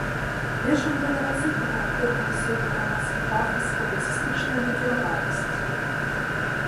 Вершам гэтага цыклу характэрны высокі грамадскі пафас, публіцыстычная накіраванасць.